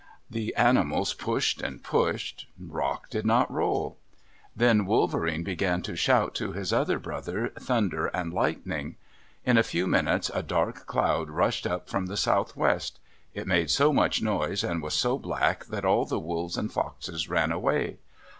The animals pushed and pushed. Rock did not roll. Then Wolverene began to shout to his other brother, Thunder and Lightning. In a few minutes a dark cloud rushed up from the southwest. It made so much noise and was so black that all the Wolves and Foxes ran away.